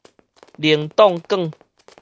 奶凍捲